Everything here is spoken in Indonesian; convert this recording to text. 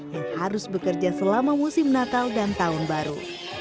yang harus bekerja selama musim natal dan tahun baru